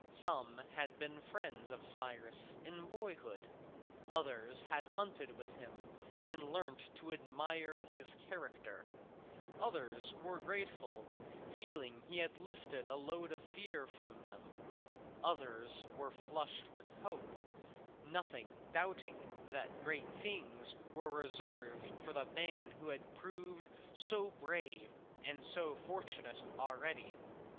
Some had been friends of Cyrus in boyhood, others had hunted with him and learnt to admire his character, others were grateful, feeling he had lifted a load of fear from them, others were flushed with hope, nothing doubting that great things were reserved for the man who had proved so brave and so fortunate already.